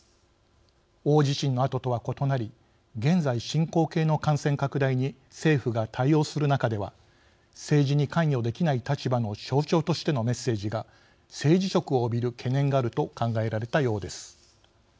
大地震のあととは異なり現在進行形の感染拡大に政府が対応する中では政治に関与できない立場の象徴としてのメッセージが政治色を帯びる懸念があると考えられたようです。